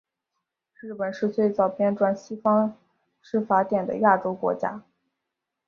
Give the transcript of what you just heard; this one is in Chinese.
日本是最早编纂西方式法典的亚洲国家。